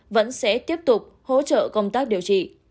vẫn sẽ tiếp tục hỗ trợ công tác điều trị